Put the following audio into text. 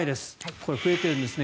これは今増えているんですね。